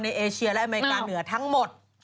เอเชียและอเมริกาเหนือทั้งหมด